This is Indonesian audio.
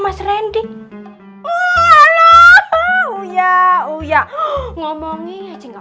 maksudmu apa komentar komentar